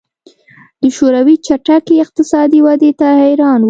د شوروي چټکې اقتصادي ودې ته حیران وو